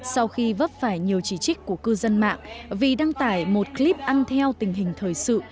sau khi vấp phải nhiều chỉ trích của cư dân mạng vì đăng tải một clip ăn theo tình hình thời sự